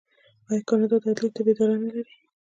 آیا کاناډا د عدلي طب اداره نلري؟